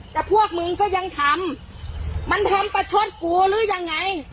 แต่พวกมึงก็ยังทำมันทำประชดกูหรือยังไง